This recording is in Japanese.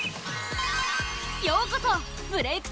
ようこそ「ブレイクッ！」